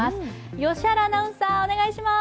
良原アナウンサー、お願いします。